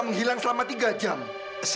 cuman cuman masa cuma pegar ke theseus